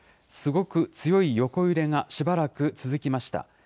すごく強い横揺れがしばらく続きました。